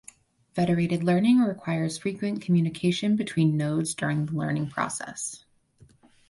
Federated learning requires frequent communication between nodes during the learning process.